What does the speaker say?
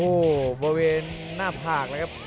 โอ้โหบริเวณหน้าผากเลยครับ